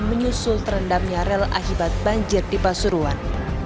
menyusul terendamnya rel akibat banjir di pasuruan